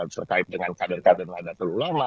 terkait dengan kader kader nadal tualama